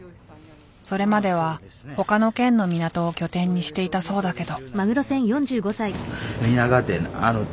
それまでは他の県の港を拠点にしていたそうだけど。